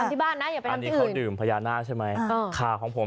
ทำที่บ้านนะอย่าไปทำที่อื่น